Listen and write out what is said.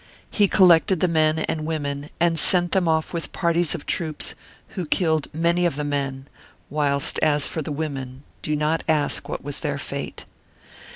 He collected the men and women and sent them off with parties of troops, who killed many of the men, whilst as for the women, do not ask what was their fate.